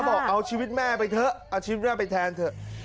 บอกเอาชีวิตแม่ไปเถอะเอาชีวิตแม่ไปแทนเถอะ